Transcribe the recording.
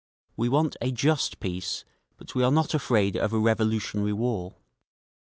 "We want a just peace, but we are not afraid of a revolutionary war….